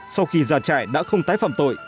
sau khi ra trại đã không tái phạm tội